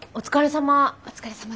お疲れさま。